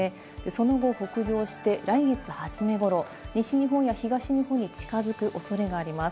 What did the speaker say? その後、北上して来月初め頃、西日本や東日本に近づく恐れがあります。